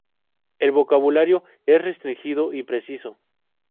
El vocabulario es restringido y preciso.